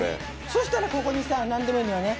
そしたらここにさなんでもいいのよね。